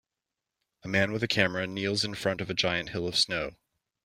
A man with a camera kneels in front of a giant hill of snow.